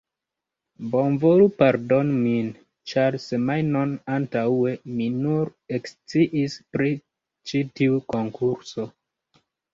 Bonvolu pardoni min ĉar semajnon antaŭe, mi nur eksciis pri ĉi tiu konkurso